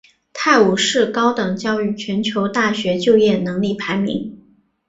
泰晤士高等教育全球大学就业能力排名。